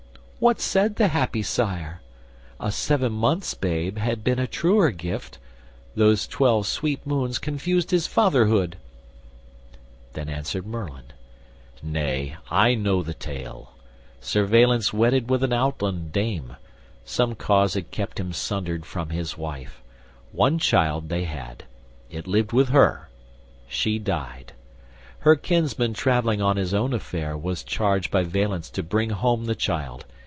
What said the happy sire?" A seven months' babe had been a truer gift. Those twelve sweet moons confused his fatherhood." Then answered Merlin, "Nay, I know the tale. Sir Valence wedded with an outland dame: Some cause had kept him sundered from his wife: One child they had: it lived with her: she died: His kinsman travelling on his own affair Was charged by Valence to bring home the child.